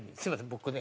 僕ね